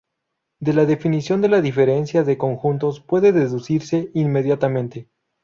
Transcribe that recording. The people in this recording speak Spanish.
De la definición de la diferencia de conjuntos, puede deducirse inmediatamente.